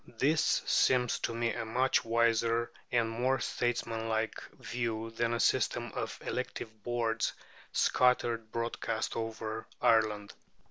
This seems to me a much wiser and more statesmanlike view than a system of elective boards scattered broadcast over Ireland.